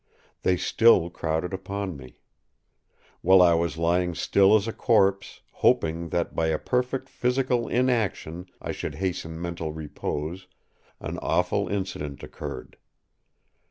They still crowded upon me. While I was lying still as a corpse, hoping that by a perfect physical inaction I should hasten mental repose, an awful incident occurred.